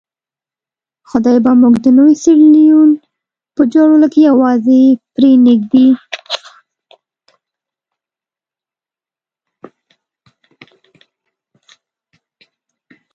خدای به موږ د نوي سیریلیون په جوړولو کې یوازې پرې نه ږدي.